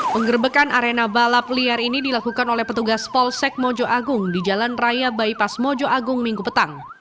penggerbekan arena balap liar ini dilakukan oleh petugas polsek mojo agung di jalan raya bypass mojo agung minggu petang